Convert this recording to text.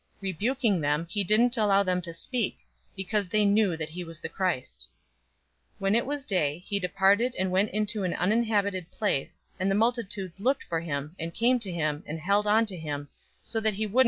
Rebuking them, he didn't allow them to speak, because they knew that he was the Christ. 004:042 When it was day, he departed and went into an uninhabited place, and the multitudes looked for him, and came to him, and held on to him, so that he wouldn't go away from them.